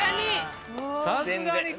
さすがに。